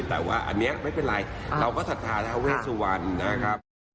แต่ว่าอันนี้ไม่เป็นไรเราก็สัตว์ธาเวชสุวรรค์นะครับ